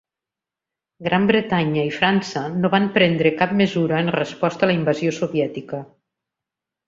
Gran Bretanya i França no van prendre cap mesura en resposta a la invasió soviètica.